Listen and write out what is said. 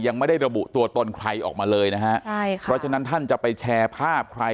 ยังไม่ได้ระบุตัวตนใครออกมาเลยนะฮะใช่ค่ะเพราะฉะนั้นท่านจะไปแชร์ภาพใคร